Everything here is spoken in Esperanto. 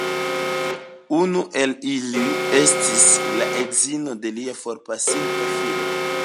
Unu el ili estis la edzino de lia forpasinta filo.